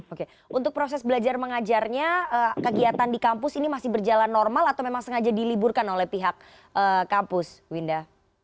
oke untuk proses belajar mengajarnya kegiatan di kampus ini masih berjalan normal atau memang sengaja diliburkan oleh pihak kampus winda